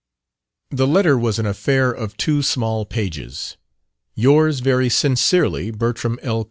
The letter was an affair of two small pages. "Yours very sincerely, Bertram L.